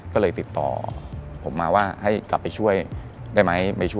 ก็เลยติดต่อผมมาว่าให้กลับไปช่วยได้ไหมไม่ช่วย